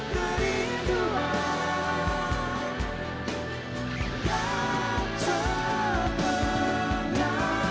tak terlupa semuanya